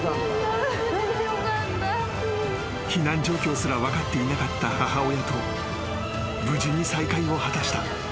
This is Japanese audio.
［避難状況すら分かっていなかった母親と無事に再会を果たした。